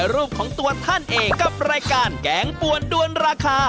รูปของตัวท่านเองกับรายการแกงปวนด้วนราคา